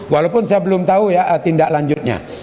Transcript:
walaupun saya belum tahu ya tindak lanjutnya